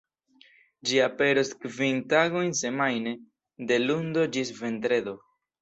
Ĝi aperos kvin tagojn semajne, de lundo ĝis vendredo.